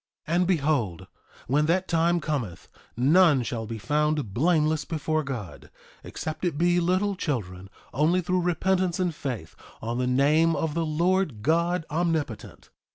3:21 And behold, when that time cometh, none shall be found blameless before God, except it be little children, only through repentance and faith on the name of the Lord God Omnipotent.